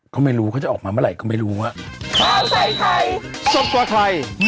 ก็ไม่รู้เขาจะออกมาเมื่อไหร่ก็ไม่รู้ว่า